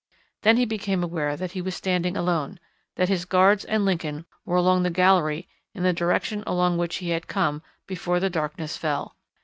Then he became aware that he was standing alone, that his guards and Lincoln were along the gallery in the direction along which he had come before the darkness fell.